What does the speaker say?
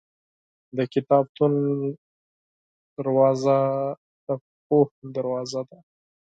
• د کتابتون دروازه د علم دروازه ده.